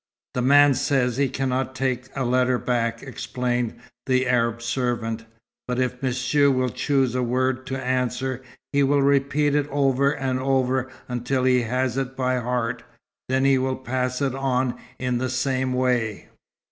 "The man says he cannot take a letter back," explained the Arab servant. "But if Monsieur will choose a word to answer, he will repeat it over and over until he has it by heart. Then he will pass it on in the same way."